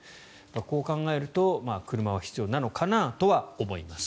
こう考えると車は必要なのかなとは思います。